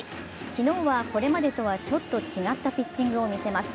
昨日はこれまでとはちょっと違ったピッチングを見せます。